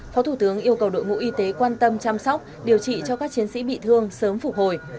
phó thủ tướng yêu cầu đội ngũ y tế quan tâm chăm sóc điều trị cho các chiến sĩ bị thương sớm phục hồi